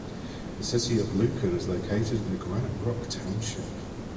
The city of Lucan is located in Granite Rock Township.